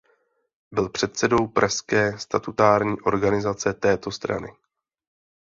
Byl předsedou pražské statutární organizace této strany.